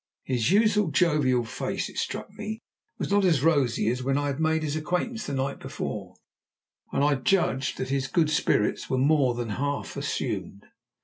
His usual jovial face, it struck me, was not as rosy as when I had made his acquaintance the night before, and I judged that his good spirits were more than half assumed.